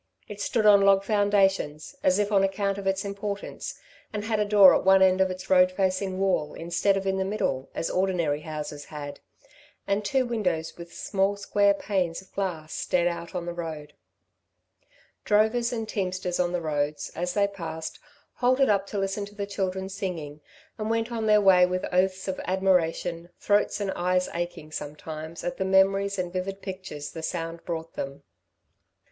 It stood on log foundations, as if on account of its importance, and had a door at one end of its road facing wall instead of in the middle, as ordinary houses had, and two windows with small square panes of glass stared out on the road. Drovers and teamsters on the roads, as they passed, halted up to listen to the children singing, and went on their way with oaths of admiration, throats and eyes aching sometimes at the memories and vivid pictures the sound brought them.